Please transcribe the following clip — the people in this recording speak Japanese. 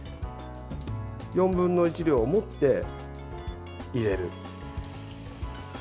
４分の１量を持って入れる。